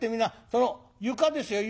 その床ですよ床。